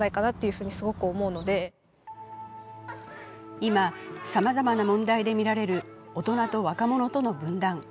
今、さまざまな問題で見られる大人と若者との分断。